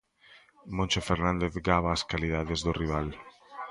Moncho Fernández gaba as calidades do rival.